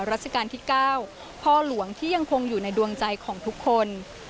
ราชการที่๙พ่อหลวงที่ยังคงอยู่ในดวงใจของทุกคน